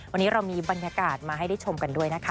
วันนี้เรามีบรรยากาศมาให้ได้ชมกันด้วยนะคะ